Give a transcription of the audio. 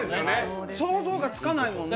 想像がつかないもんね。